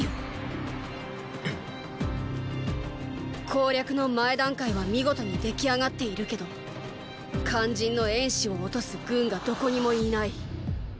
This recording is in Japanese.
攻略の前段階は見事に出来上がっているけど肝心の衍氏を落とす軍がどこにもいない。